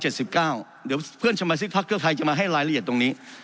เดี๋ยวเพื่อนชมศิษย์ภักดิ์เครือไพรจะมาให้รายละเอียดตรงนี้